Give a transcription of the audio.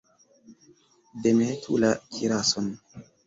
Demetu la kirason!